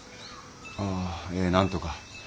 ああええなんとか。